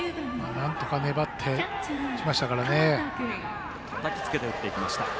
なんとか粘って打ちましたかね。